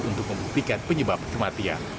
untuk memutikan penyebab kematian